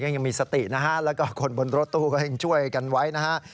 ยังมีสตินะฮะแล้วก็คนบนรถตู้ก็ยังช่วยกันไว้นะฮะ